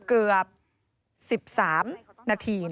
ที่อ๊อฟวัย๒๓ปี